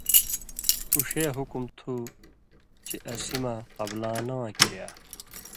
اُو ݜے حُکُم تھُو چے اسی مہ قبلان٘لہ واں کِریا